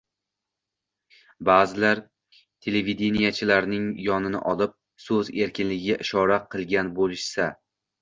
Ba’zilar televideniyechilarning yonini olib, so‘z erkinligiga ishora qilgan bo‘lishsa